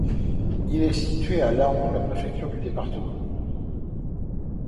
Il est situé à Laon, la préfecture du département.